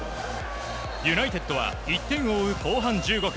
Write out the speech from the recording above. ユナイテッドは１点を追う後半１５分